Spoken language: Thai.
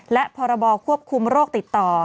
และพรบควบคุมโรคติดต่อ